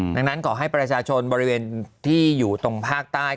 ดังนั้นขอให้ประชาชนบริเวณที่อยู่ตรงภาคใต้